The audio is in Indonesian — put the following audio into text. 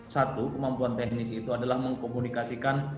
satu kemampuan teknis itu adalah mengkomunikasikan